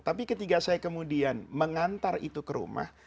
tapi ketika saya kemudian mengantar itu ke rumah